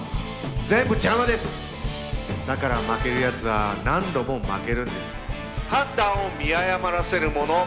全部邪魔ですだから負けるやつは何度も負けるんです判断を見誤らせるもの